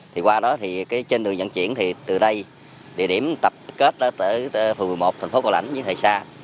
thì qua đó thì trên đường nhận triển thì từ đây địa điểm tập kết ở phường một mươi một thành phố cầu lãnh giữa thời xa